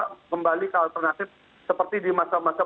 kembali ke alternatif seperti di masa masa